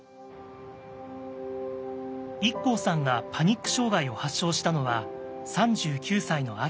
ＩＫＫＯさんがパニック障害を発症したのは３９歳の秋。